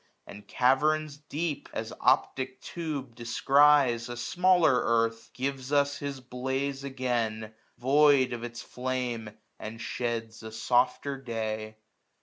And caverns deep, as optic tube descries, 1091 A smaller earth, gives us his blaze again. Void of its flame, and sheds a softer day.